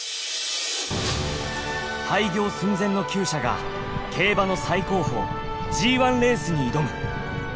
廃業寸前のきゅう舎が競馬の最高峰ＧⅠレースに挑む！